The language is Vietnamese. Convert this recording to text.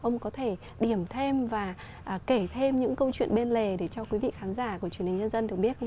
ông có thể điểm thêm và kể thêm những câu chuyện bên lề để cho quý vị khán giả của truyền hình nhân dân được biết không ạ